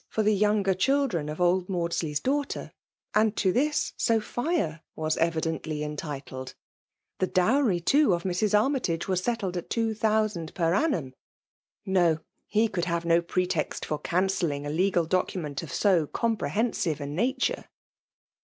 for the younger children of old'Mandsley^s daughter ; and to this, Sophia was evidently entitled. The dowry, too, of Mrs. Annytage was settled at two thousand per annum. No! he could have no pretext for cancelling a legal document of so compre hensive a nature